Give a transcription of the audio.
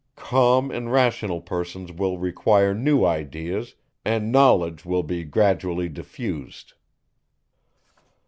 Calm and rational persons will require new ideas, and knowledge will be gradually diffused.